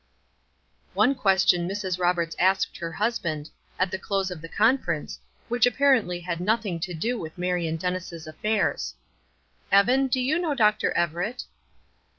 One question Mrs. Roberts asked her husband, at the close of the conference, which apparently had nothing to do with Marion Dennis' affairs: "Evan, do you know Dr. Everett?"